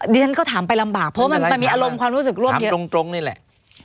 ดิฉันก็ถามไปลำบากเพราะว่ามันมีอารมณ์ความรู้สึกร่วมเยอะตรงนี่แหละ